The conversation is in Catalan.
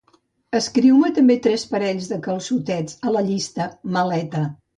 Escriu-me també tres parells de calçotets a la llista "maleta".